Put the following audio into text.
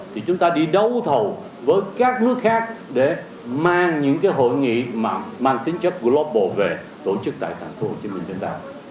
thì chúng ta đi đấu thầu với các nước khác để mang những hội nghị mang tính chất global về tổ chức tại thành phố hồ chí minh